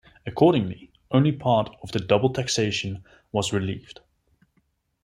Accordingly, only part of the double taxation was relieved.